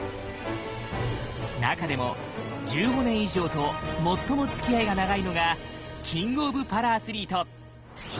中でも１５年以上と最も付き合いが長いのがキング・オブ・パラアスリート！